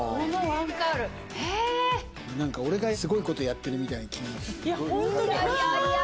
何か俺がすごいことやってるみたいな気になってくる。